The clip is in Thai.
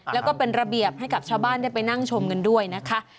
แล้วก็เป็นระเบียบให้กับชาวบ้านได้ไปนั่งชมกันด้วยนะคะ